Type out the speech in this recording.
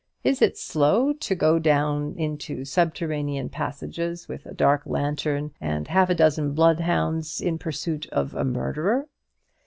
Is it slow to go down into subterranean passages, with a dark lantern and half a dozen bloodhounds, in pursuit of a murderer?